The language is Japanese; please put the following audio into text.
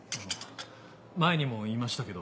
前にも言いましたけど。